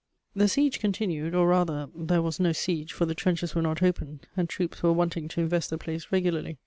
* The siege continued, or rather, there was no siege, for the trenches were not opened, and troops were wanting to invest the place regularly.